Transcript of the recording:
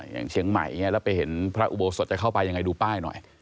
อย่างเชียงใหม่อย่างนี้แล้วไปเห็นพระอุโบสถจะเข้าไปยังไงดูป้ายหน่อย